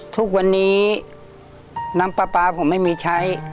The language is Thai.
ทุกวันนี้น้ำปลาปลาผมไม่มีใช้